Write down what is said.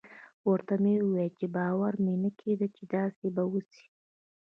ورته ومې ويل چې باور مې نه کېده چې داسې به وسي.